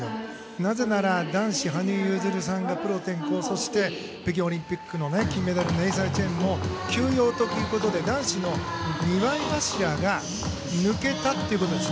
なぜなら男子羽生結弦さんがプロ転向、そして北京オリンピックの金メダルネイサン・チェンも休養ということで男子の二枚柱が抜けたとということです。